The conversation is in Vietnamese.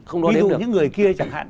ví dụ như những người kia chẳng hạn